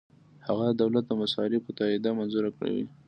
هغه د دولت د مصارفو تادیه منظوره کوي.